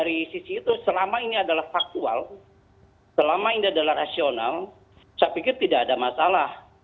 dari sisi itu selama ini adalah faktual selama ini adalah rasional saya pikir tidak ada masalah